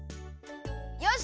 よし！